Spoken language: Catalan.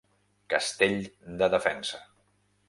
Castell de defensa.